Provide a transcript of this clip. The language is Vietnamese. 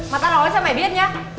mà tao nói cho mày biết nha